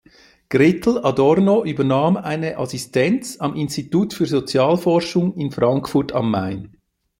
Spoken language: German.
Gretel Adorno übernahm eine Assistenz am Institut für Sozialforschung in Frankfurt am Main.